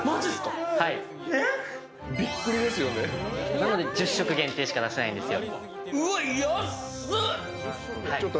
なので１０食しか出せないんですよ。